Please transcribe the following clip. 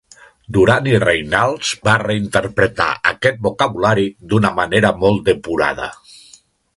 Duran i Reinals va reinterpretar aquest vocabulari d'una manera molt depurada.